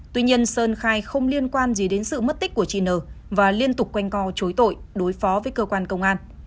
tuy nhiên sơn khai không liên quan gì đến sự mất tích của chị n và liên tục quanh co chối tội đối phó với cơ quan công an